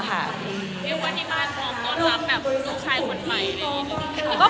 เรียกว่าที่บ้านพร้อมต้อนรับแบบลูกชายคนใหม่เลย